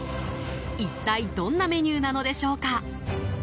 一体どんなメニューなのでしょうか。